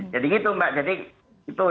jadi gitu mbak jadi itu